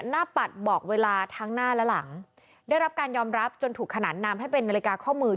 ปัดบอกเวลาทั้งหน้าและหลังได้รับการยอมรับจนถูกขนานนามให้เป็นนาฬิกาข้อมือ